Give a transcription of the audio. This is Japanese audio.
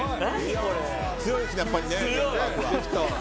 強いですね、やっぱりね。